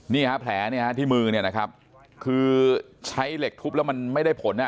เนี่ยแผลที่มือเนี่ยนะครับคือใช้เหล็กทุบแล้วมันไม่ได้ผล